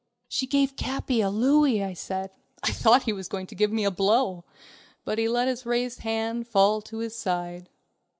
"She gave Capi a louis," I said. I thought he was going to give me a blow, but he let his raised hand fall to his side.